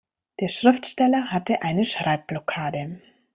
Der Schriftsteller hatte eine Schreibblockade.